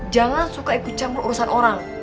jangan suka ikut campur urusan orang